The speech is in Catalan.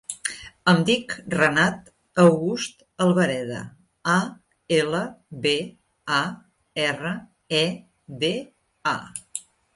Em dic Renat August Albareda: a, ela, be, a, erra, e, de, a.